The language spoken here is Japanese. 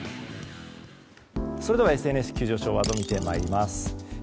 それではＳＮＳ急上昇ワードを見てまいります。